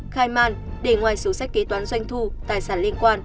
khai man để ngoài sổ sách kế toán doanh thu tài sản liên quan